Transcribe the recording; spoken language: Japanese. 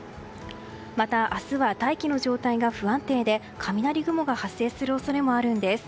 また、明日は大気の状態が不安定で雷雲が発生する恐れもあるんです。